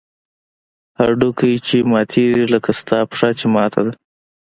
هډوکى چې ماتېږي لکه ستا پښه چې ماته ده.